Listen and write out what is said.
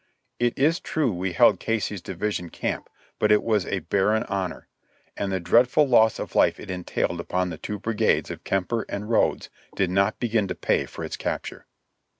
It is true we held Casey's division camp, but it was a barren honor; and the dreadful loss of life it entailed upon the two brigades of Kemper and Rodes did not begin to pay for its capture.